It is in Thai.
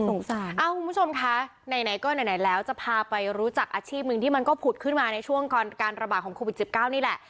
สงสารอ้าวคุณผู้ชมคะไหนไหนก็ไหนไหนแล้วจะพาไปรู้จักอาชีพนึงที่มันก็ผุดขึ้นมาในช่วงการระบาดของโควิดจิบเก้านี่แหละ